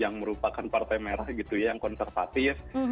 yang merupakan partai merah gitu ya yang konservatif